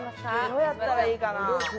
どうやったらいいかな？